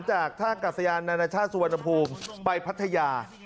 จากธาตุกัสยานนาฬิชาสุวรรณภูมิไปพัทยา